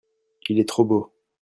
il est trop beau.